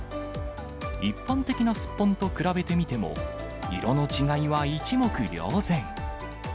一般的なスッポンと比べてみても、色の違いは一目瞭然。